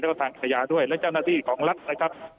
แล้วก็ทางอาญาด้วยและเจ้าหน้าที่ของรัฐนะครับ